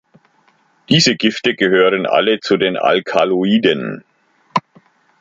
Die Gifte gehören alle zu den Alkaloiden.